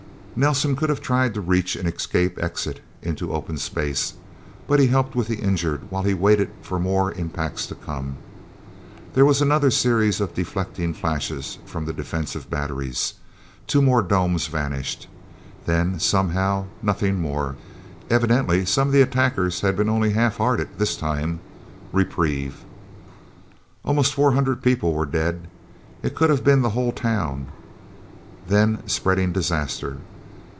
Nelsen could have tried to reach an escape exit into open space, but he helped with the injured while he waited for more impacts to come. There was another series of deflecting flashes from the defense batteries. Two more domes vanished... Then somehow nothing more. Evidently some of the attackers had been only half hearted, this time. Reprieve... Almost four hundred people were dead. It could have been the whole Town. Then spreading disaster.